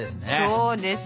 そうです。